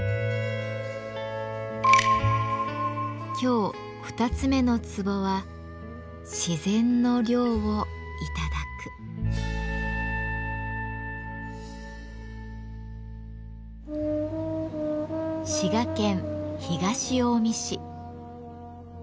今日二つ目のツボは滋賀県東近江市。